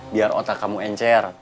biar otak kamu encer